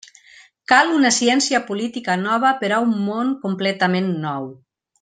Cal una ciència política nova per a un món completament nou.